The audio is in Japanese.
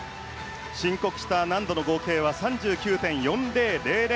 申告した難度の合計は３９．４０００。